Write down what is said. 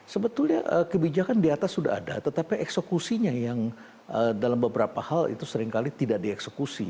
sebetulnya kebijakan di atas sudah ada tetapi eksekusinya yang dalam beberapa hal itu seringkali tidak dieksekusi